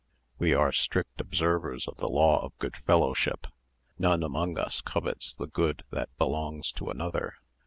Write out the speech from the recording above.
We are strict observers of the law of good fellowship; none among us covets the good that belongs to another.